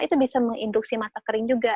itu bisa menginduksi mata kering juga